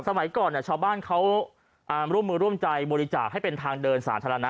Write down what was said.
สมัยก่อนชาวบ้านเขาร่วมมือร่วมใจบริจาคให้เป็นทางเดินสาธารณะ